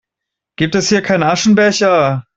Gibt es hier keinen Aschenbecher?